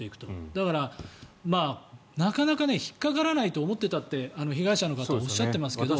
だから、なかなか引っかからないと思っていたって被害者の方はおっしゃってますけど。